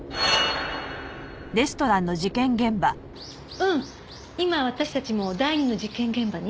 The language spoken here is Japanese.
うん今私たちも第二の事件現場に。